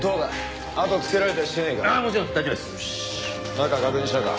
中確認したか？